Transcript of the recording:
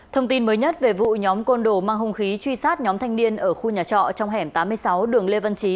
thông tin mới nhất về vụ nhóm côn đồ mang hung khí truy sát nhóm thanh niên ở khu nhà trọ trong hẻm tám mươi sáu đường lê văn trí